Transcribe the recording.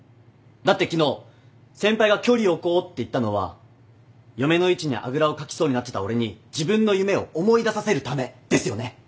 だって昨日先輩が距離置こうって言ったのは嫁の位置にあぐらをかきそうになってた俺に自分の夢を思い出させるためですよね？